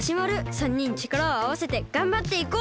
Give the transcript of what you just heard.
３にんちからをあわせてがんばっていこう！